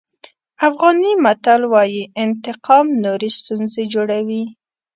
افغاني متل وایي انتقام نورې ستونزې جوړوي.